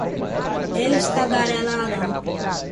eles tagarelarão